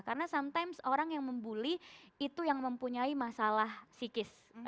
karena sometimes orang yang membuli itu yang mempunyai masalah psikis